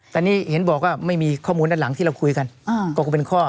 แต่นี่เห็นบอกว่าไม่มีข้อมูลด้านหลังที่เราคุยกันก็คงเป็นข้อ